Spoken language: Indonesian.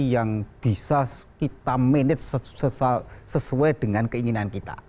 yang bisa kita manage sesuai dengan keinginan kita